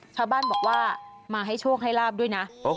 ชาวบ้านบอกว่ามาให้โชคให้ลาบด้วยนะ